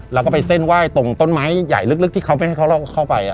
แล้วก็ไปเส้นไหว้ตรงต้นไม้ใหญ่ลึกที่เขาไม่ให้เขาเข้าไป